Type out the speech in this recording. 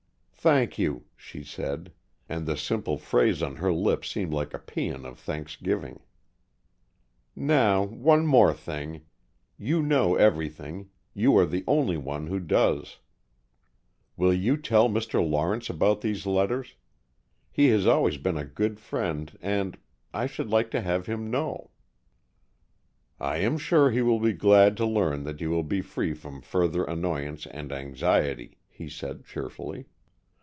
"Thank you," she said, and the simple phrase on her lips seemed like a pæan of thanksgiving. "Now, one thing more. You know everything, you are the only one who does. Will you tell Mr. Lawrence about these letters? He has always been a good friend, and I should like to have him know!" "I am sure he will be glad to learn that you will be free from further annoyance and anxiety," he said, cheerfully.